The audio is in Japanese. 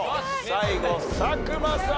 最後佐久間さん